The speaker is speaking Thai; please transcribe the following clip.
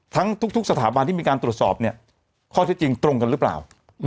ทั้งทุกสถาบันที่มีการตรวจสอบเนี่ยข้อเท็จจริงตรงกันหรือเปล่า